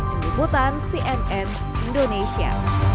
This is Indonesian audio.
kelibutan cnn indonesia